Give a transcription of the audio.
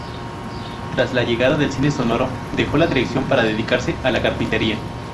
Tras la llegada del cine sonoro, dejó la dirección para dedicarse a la carpintería.